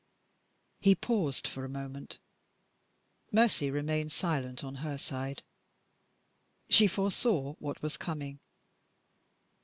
'" He paused for a moment. Mercy remained silent, on her side: she foresaw what was coming.